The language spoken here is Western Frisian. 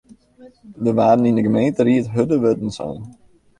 Der waarden yn de gemeenteried hurde wurden sein.